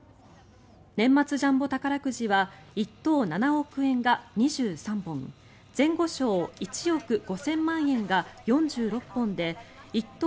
年末ジャンボ宝くじは１等７億円が２３本前後賞１億５０００万円が４６本で１等